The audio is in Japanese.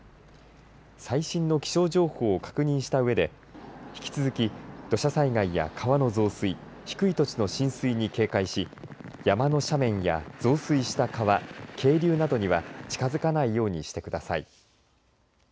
最新の気象情報を確認したうえで引き続き、土砂災害や川の増水低い土地の浸水に警戒し山の斜面や増水した川渓流などには近づかないようにしてください。